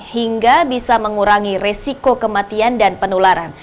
hingga bisa mengurangi resiko kematian dan penularan